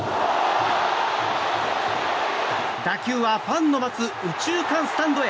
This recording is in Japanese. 打球はファンの待つ右中間スタンドへ。